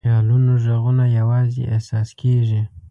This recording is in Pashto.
د خیالونو ږغونه یواځې احساس کېږي.